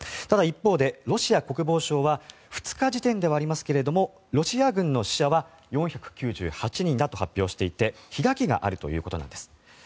ただ、一方でロシア国防省は２日時点ではありますがロシア軍の死者は４９８人だと発表していて開きがあるということです。